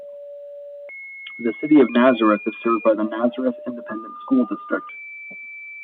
The city of Nazareth is served by the Nazareth Independent School District.